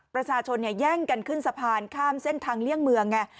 ประชาชนแย่งกันขึ้นสะพานข้ามเส้นทางเลี่ยงเมืองไง